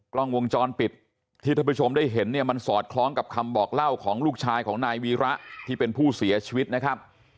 กล้องวงจรปิดที่ท่านผู้ชมได้เห็นเนี่ยมันสอดคล้องกับคำบอกเล่าของลูกชายของนายวีระที่เป็นผู้เสียชีวิตนะครับ